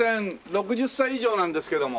６０歳以上なんですけれども。